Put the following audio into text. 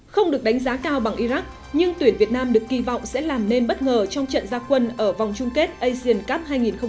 không được đánh giá cao bằng iraq nhưng tuyển việt nam được kỳ vọng sẽ làm nên bất ngờ trong trận gia quân ở vòng chung kết asian cup hai nghìn một mươi chín